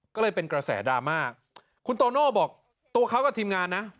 ก็เลยเป็นกระแสดราม่าคุณโตโน่บอกตัวเขากับทีมงานนะ